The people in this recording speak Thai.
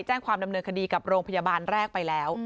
แจ้งความดำเนินคดีกับโรงพยาบาลแรกไปแล้ว